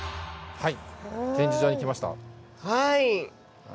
はい。